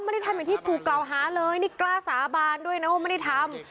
ไม่ได้ทำอย่างที่ถูกกล่าวหาเลยนี่กล้าสาบานด้วยนะว่าไม่ได้ทำ